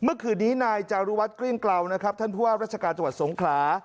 เมื่อคืนนี้นายจารุวัฒนกลิ้งเกลานะครับท่านผู้ว่าราชการจังหวัดสงขลา